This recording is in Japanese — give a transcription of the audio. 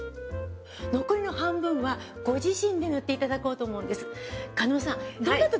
残りの半分はご自身で塗っていただこうと思うんです。